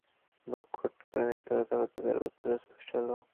মুখ হেঁট করে নিরুত্তর থাকাতেই তার উত্তর স্পষ্ট হল।